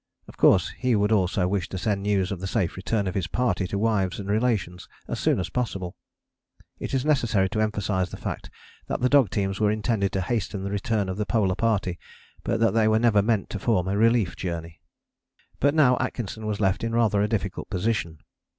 Of course he would also wish to send news of the safe return of his party to wives and relations as soon as possible. It is necessary to emphasize the fact that the dog teams were intended to hasten the return of the Polar Party, but that they were never meant to form a relief journey. But now Atkinson was left in a rather difficult position.